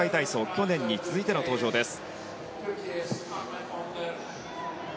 去年に続いての登場です。